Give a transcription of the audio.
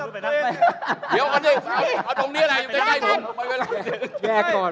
ภรรยาตัวเองไม่ใช่ชาวชน